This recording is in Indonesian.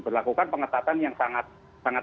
berlakukan pengetatan yang sangat